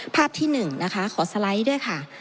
ภาพที่๑นะคะขอสไลด์ด้วยค่ะ